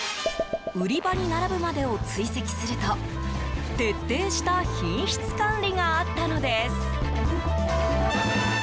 売り場に並ぶまでを追跡すると徹底した品質管理があったのです。